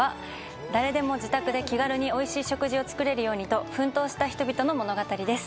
誰でも自宅で気軽においしい食事を作れるようにと奮闘した人々の物語です